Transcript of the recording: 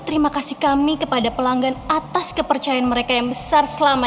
terima kasih kami kepada pelanggan atas kepercayaan mereka yang besar selama